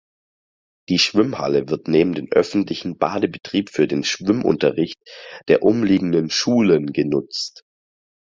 Die Schwimmhalle wird neben dem öffentlichen Badebetrieb für den Schwimmunterricht der umliegenden Schulen genutzt.